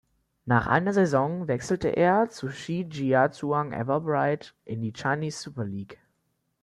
Nach einer Saison wechselte er zu Shijiazhuang Ever Bright in die Chinese Super League.